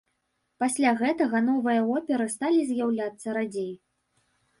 Пасля гэтага новыя оперы сталі з'яўляцца радзей.